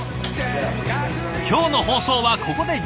今日の放送はここで時間切れ。